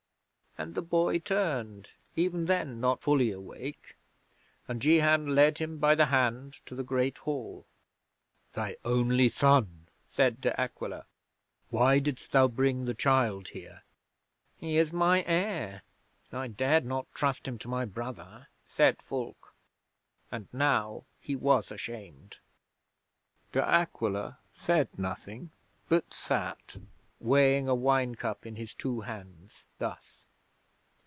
and the boy turned, even then not fully awake, and Jehan led him by the hand to the Great Hall. '"Thy only son!" said De Aquila. "Why didst thou bring the child here?" '"He is my heir. I dared not trust him to my brother," said Fulke, and now he was ashamed. De Aquila said nothing, but sat weighing a wine cup in his two hands thus.